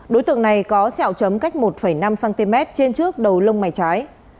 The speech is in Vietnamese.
đối tượng này có xeo chấm cách một năm cm trên trước đầu lông mái trái